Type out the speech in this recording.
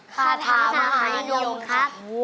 คาถามหานิยมค่ะ